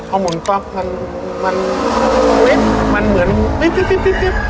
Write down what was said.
เอาหมุนก๊อกมันเหมือนวิบ